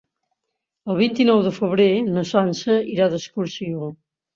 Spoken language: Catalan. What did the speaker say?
El vint-i-nou de febrer na Sança irà d'excursió.